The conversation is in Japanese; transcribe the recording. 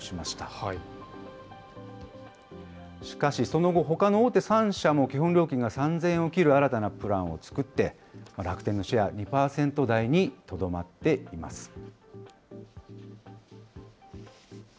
しかしその後、ほかの大手３社も基本料金が３０００円を切る新たなプランを作って、楽天のシェアは２％台にとどまっています。